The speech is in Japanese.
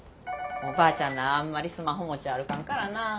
おばあちゃんらあんまりスマホ持ち歩かんからな。